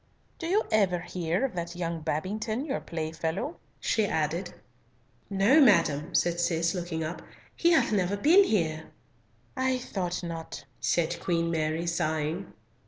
"Do you ever hear of that young Babington, your playfellow?" she added. "No, madam," said Cis, looking up, "he hath never been here!" "I thought not," said Queen Mary, sighing.